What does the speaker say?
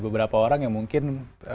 beberapa orang yang mungkin